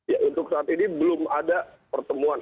ya untuk saat ini belum ada pertemuan